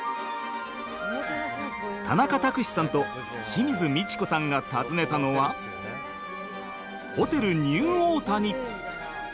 田中卓志さんと清水ミチコさんが訪ねたのはホテルニューオータニ！